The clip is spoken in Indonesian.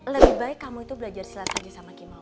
lebih baik kamu itu belajar silat aja sama kimo